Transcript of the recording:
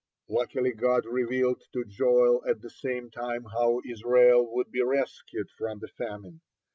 Luckily, God revealed to Joel at the same time how Israel would be rescued from the famine.